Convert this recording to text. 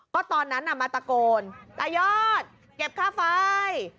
ก็ตอนนั้นมาตะโกนตายอดเก็บค่าไฟ